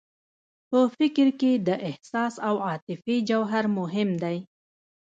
په فکر کې د احساس او عاطفې جوهر مهم دی